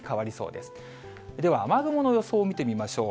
では雨雲の予想を見てみましょう。